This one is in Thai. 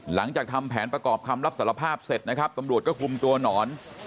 หลังจากทำแผนประกอบคำรับสารภาพเสร็จนะครับตำรวจก็คุมตัวหนอน